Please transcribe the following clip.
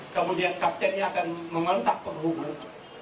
kemudian kaptennya akan mengontak penghubung